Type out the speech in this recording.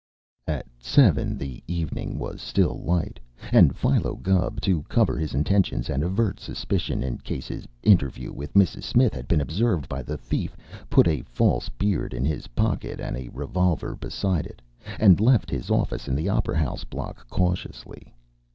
At seven the evening was still light, and Philo Gubb, to cover his intentions and avert suspicion in case his interview with Mrs. Smith had been observed by the thief, put a false beard in his pocket and a revolver beside it and left his office in the Opera House Block cautiously.